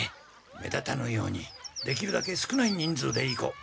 目立たぬようにできるだけ少ない人数で行こう。